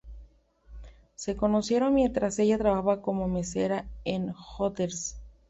Se conocieron mientras ella trabajaba como mesera en Hooters.